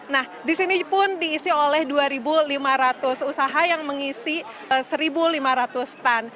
nah di sini pun diisi oleh dua lima ratus usaha yang mengisi satu lima ratus stand